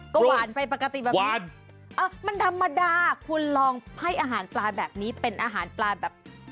ก็หวานไปปกติแบบนี้มันธรรมดาคุณลองให้อาหารปลาแบบนี้เป็นอาหารปลาแบบ